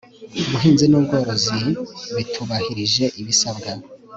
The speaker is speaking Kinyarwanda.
buhinzi n ubworozi bitubahirije ibisabwa